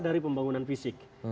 dari pembangunan fisik